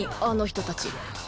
あの人たち。